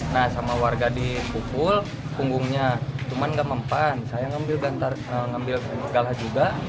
nah sama warga dikukul punggungnya cuman gak mempan saya ngambil gantar ngambil segala juga